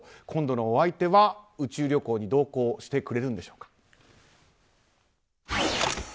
今度のお相手は宇宙旅行に同行してくれるんでしょうか。